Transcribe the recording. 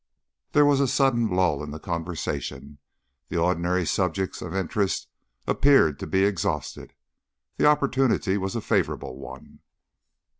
There was a sudden lull in the conversation. The ordinary subjects of interest appeared to be exhausted. The opportunity was a favourable one.